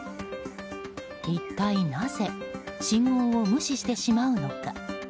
一体なぜ信号を無視してしまうのか。